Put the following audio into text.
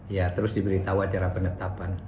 ya terus diberitahu acara penetapan